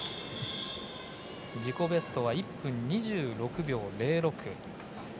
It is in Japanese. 自己ベストは１分２６秒０６。